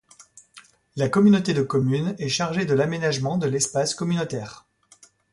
La communauté de communes est chargée de l'aménagement de l'espace communautaire.